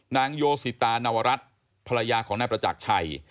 นางโยสิตานวรัฐภรรยาของนายประจักรชัย